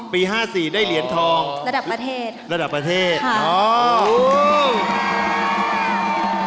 ห้าสี่ได้เหรียญทองระดับประเทศระดับประเทศอ๋อ